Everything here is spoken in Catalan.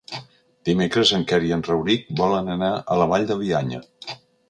Dimecres en Quer i en Rauric volen anar a la Vall de Bianya.